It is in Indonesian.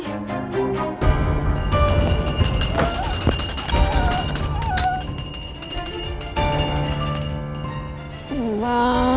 ya allah ada maling